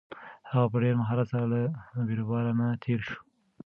هغه په ډېر مهارت سره له بیروبار نه تېر شو.